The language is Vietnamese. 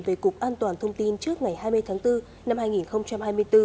về cục an toàn thông tin trước ngày hai mươi tháng bốn năm hai nghìn hai mươi bốn